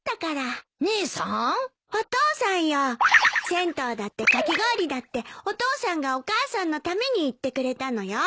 銭湯だってかき氷だってお父さんがお母さんのために言ってくれたのよ。